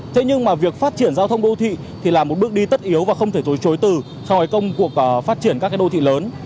thế nhưng mà việc phát triển giao thông đô thị thì là một bước đi tất yếu và không thể tối chối từ cho công cuộc phát triển các đô thị lớn